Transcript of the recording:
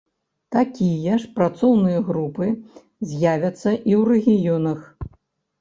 Такія ж працоўныя групы з'явяцца і ў рэгіёнах.